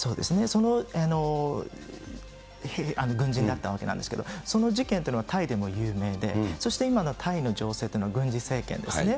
その軍人だったわけなんですけど、その事件っていうのは、タイでも有名で、そして今のタイの情勢というのは、軍事政権ですね。